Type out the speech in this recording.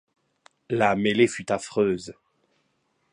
La mêlée fut affreuse.